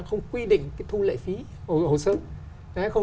không quy định thu lệ phí hồ sơ